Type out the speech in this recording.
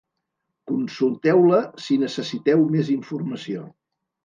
Consulteu-la si necessiteu més informació.